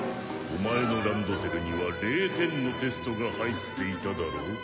オマエのランドセルには０点のテストが入っていただろう。